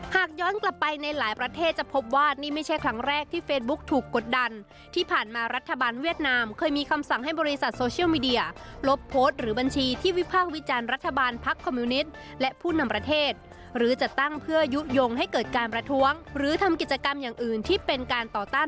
หากย้อนกลับไปในหลายประเทศจะพบว่านี่ไม่ใช่ครั้งแรกที่เฟซบุ๊กถูกกดดันที่ผ่านมารัฐบาลเวียดนามเคยมีคำสั่งให้บริษัทโซเชียลมีเดียลบโพสต์หรือบัญชีที่วิพากษ์วิจารณ์รัฐบาลพักคอมมิวนิตและผู้นำประเทศหรือจะตั้งเพื่อยุโยงให้เกิดการประท้วงหรือทำกิจกรรมอย่างอื่นที่เป็นการต่อต้าน